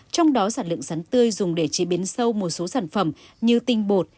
trong đó sản lượng sắn tươi dùng để chế biến sâu một số sản phẩm như tinh bột